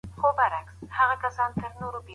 خپل نوم ثبت کړئ.